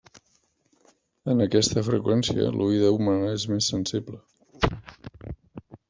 En aquesta freqüència l'oïda humana és més sensible.